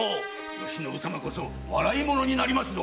嘉信様こそ笑い者になりますぞ。